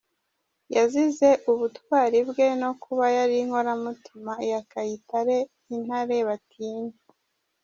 Yazize ubutwari bwe no kuba yari inkoramutima ya Kayitare Intare batinya.